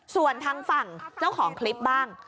ส่วนทางฝั่งเจ้าของคลิปบ้าง